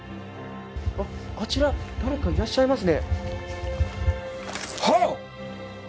こちら誰かいらっしゃいますね。